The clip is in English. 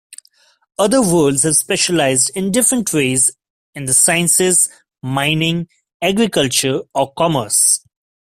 Other worlds have specialized in different ways, in the sciences, mining, agriculture or commerce.